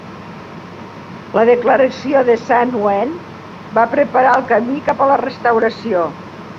La Declaració de Saint-Ouen va preparar el camí cap a la Restauració.